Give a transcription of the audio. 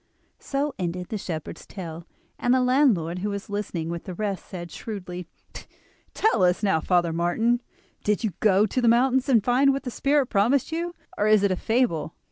So ended the shepherd's tale; and the landlord who was listening with the rest, said shrewdly: "Tell us now, Father Martin, did you go to the mountain and find what the spirit promised you; or is it a fable?"